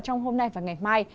trong hôm nay và ngày mai